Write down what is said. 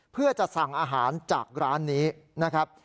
เพื่อจะสั่งอาหารจากร้านนี้นะครับ